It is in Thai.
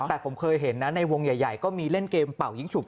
แต่ผมเคยเห็นนะในวงใหญ่ก็มีเล่นเกมเป่ายิงฉุก